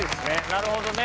なるほどね。